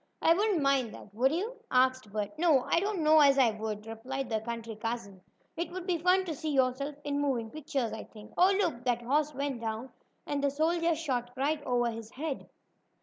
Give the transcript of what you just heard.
"I wouldn't mind that, would you?" asked Bert. "No, I don't know as I would," replied the country cousin. "It would be fun to see yourself in moving pictures, I think. Oh, look! That horse went down, and the soldier shot right over his head."